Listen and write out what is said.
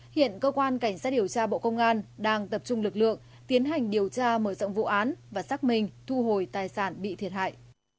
hiện cơ quan cảnh sát điều tra bộ công an đang tập trung lực lượng tiến hành điều tra mở rộng vụ án và xác minh thu hồi tài sản bị thiệt hại